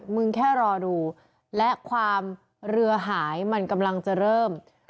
แค่รอดูและความเรือหายมันกำลังจะเริ่ม